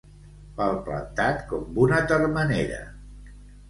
Palplantat com una termenera.